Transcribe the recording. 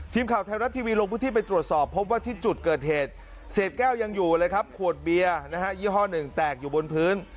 ทีมข่าวไทยรัฐทีวีลงพื้นที่ไปตรวจสอบพบว่าที่จุดเกิดเหตุเศษแก้วยังอยู่เลยครับขวดเบียร์นะฮะยี่ห้อหนึ่งแตกอยู่บนพื้น